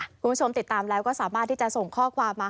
คุณผู้ชมติดตามแล้วก็สามารถที่จะส่งข้อความมา